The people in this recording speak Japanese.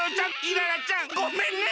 イララちゃんごめんね。